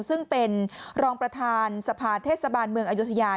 ซึ่งเป็นรองประธานสภาเทศบาลเมืองอายุทยา